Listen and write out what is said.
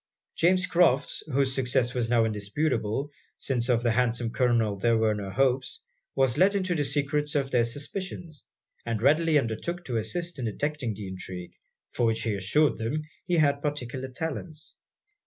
James Crofts, whose success was now indisputable, since of the handsome Colonel there were no hopes, was let into the secret of their suspicions; and readily undertook to assist in detecting the intrigue, for which he assured them he had particular talents.